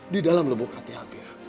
di dalam lebuk hati afif